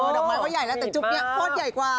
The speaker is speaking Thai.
ดอกไม้ก็ใหญ่แล้วแต่จุ๊บนี้โคตรใหญ่กว่า